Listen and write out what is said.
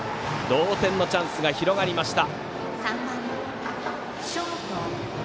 同点のチャンスが広がりました。